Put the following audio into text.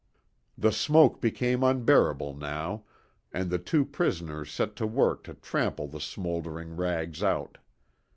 The smoke became unbearable now, and the two prisoners set to work to trample the smouldering rags out.